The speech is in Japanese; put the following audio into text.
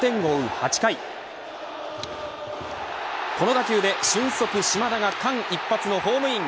８回この打球で俊足島田が間一髪のホームイン。